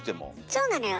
そうなのよ。